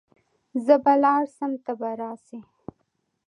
زه به ولاړ سم ته به راسي .